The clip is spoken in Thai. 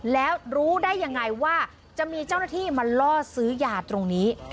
แล้วรู้ได้ยังไงว่าจะมีเจ้าหน้าที่มาล่อซื้อยาตรงนี้